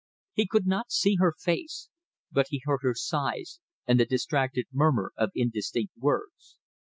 He could not see her face, but he heard her sighs and the distracted murmur of indistinct words.